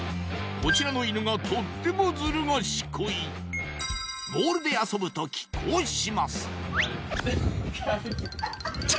こちらの犬がとってもズル賢いボールで遊ぶ時こうします